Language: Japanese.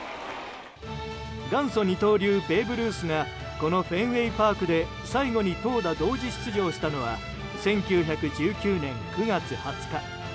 元祖二刀流ベーブ・ルースがこのフェンウェイパークで最後に投打同時出場したのは１９１９年９月２０日。